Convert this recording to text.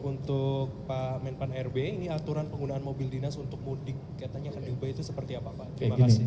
untuk pak menpan rb ini aturan penggunaan mobil dinas untuk mudik katanya akan diubah itu seperti apa pak